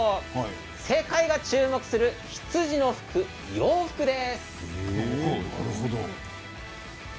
世界が注目する羊の服なるほど。